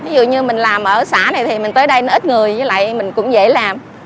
ví dụ như mình làm ở xã này thì mình tới đây nó ít người với lại mình cũng dễ làm